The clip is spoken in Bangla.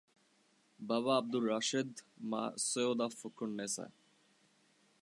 বাবা আবদুর রাশেদ, মা সৈয়দা ফখরুননেছা।